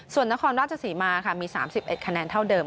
ส่วนนครราชศรีมาค่ะมี๓๑คะแนนเท่าเดิม